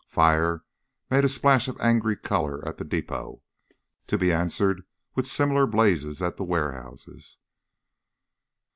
Fire made a splash of angry color at the depot, to be answered with similar blazes at the warehouses.